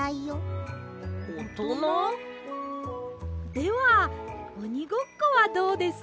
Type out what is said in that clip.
ではおにごっこはどうです？